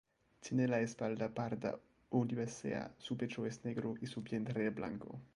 Tiene la espalda parda olivácea, su pecho es negro y su vientre blanco.